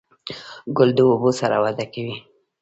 ګل د اوبو سره وده کوي.